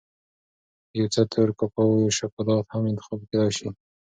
یو څه تور کاکاو یا شکولات هم انتخاب کېدای شي.